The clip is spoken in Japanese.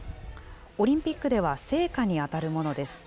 オリンピックでは聖火に当たるものです。